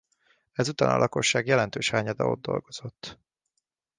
Ezután a lakosság jelentős hányada ott dolgozott.